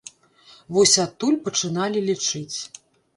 Вось адтуль пачыналі лічыць.